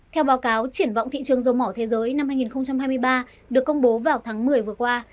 theo báo cáo triển vọng thị trường dầu mỏ thế giới năm hai nghìn hai mươi ba được công bố vào tháng một mươi vừa qua